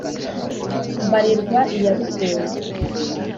mbarirwa iya rukundo,